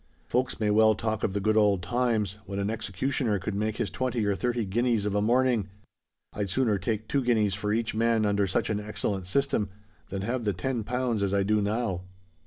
Folks may well talk of the good old times—when an executioner could make his twenty or thirty guineas of a morning! I'd sooner take two guineas for each man under such an excellent system, than have the ten pounds as I do now."